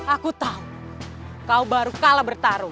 aku tahu kau baru kalah bertarung